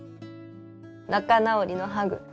仲直りのハグ